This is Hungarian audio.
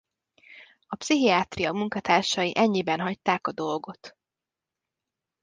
A pszichiátria munkatársai ennyiben hagyták a dolgot.